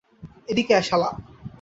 এদিকে আয়, শালা।